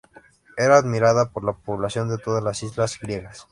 Era admirada por la población de todas las islas griegas.